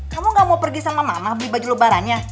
kamu gak mau pergi sama mama beli baju lebarannya